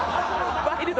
ワイルド。